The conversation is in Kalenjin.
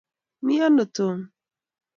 Mi ano Tom?